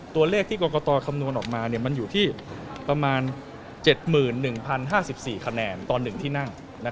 ตัวเลขที่กรกตคำนวณออกมามันอยู่ที่ประมาณ๗๑๐๕๔คะแนนต่อ๑ที่นั่ง